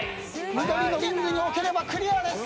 緑のリングに置ければクリアです。